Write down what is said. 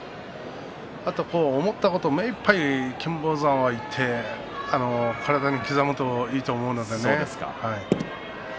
あとは思ったことを目いっぱい金峰山はやって体に刻むといいと思うんですよね。